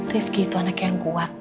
rifki itu anak yang kuat